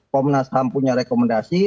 komnas ham punya rekomendasi